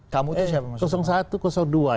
kamu itu siapa